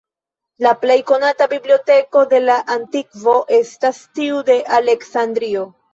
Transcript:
La plej konata biblioteko de la antikvo estas tiu de Aleksandrio.